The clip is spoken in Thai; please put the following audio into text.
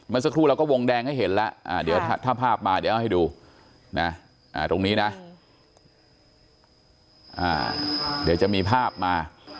สักครู่เราก็วงแดงให้เห็นแล้วเดี๋ยวถ้าภาพมาเดี๋ยวเอาให้ดูนะตรงนี้นะเดี๋ยวจะมีภาพมา